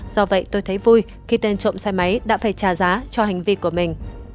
do vậy tôi thấy vui khi tên trộm xe máy đã phải trả giá cho hành vi của mình